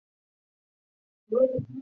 贝类学是一门专门研究贝类的学科。